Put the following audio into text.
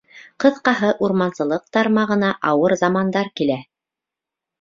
Ҡыҫҡаһы, урмансылыҡ тармағына ауыр замандар килә.